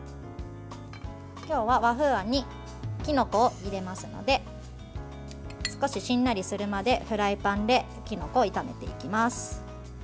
今日は和風あんにきのこを入れますので少し、しんなりするまでフライパンできのこを炒めていきます。